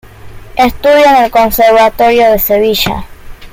Estudió en el Conservatorio de Sevilla.